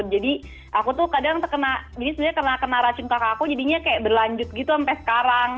jadi aku tuh kadang terkena jadi sebenarnya kena kena racun kakak aku jadinya kayak berlanjut gitu sampe sekarang